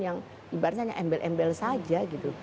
yang ibaratnya hanya embel embel saja gitu